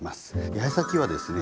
八重咲きはですね